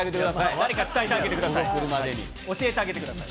誰か伝えてあげてください。